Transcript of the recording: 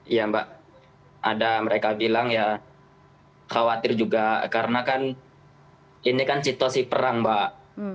iya mbak ada mereka bilang ya khawatir juga karena kan ini kan situasi perang mbak